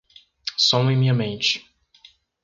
Som em minha mente